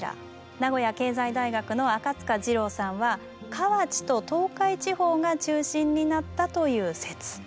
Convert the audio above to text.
名古屋経済大学の赤次郎さんは河内と東海地方が中心になったという説。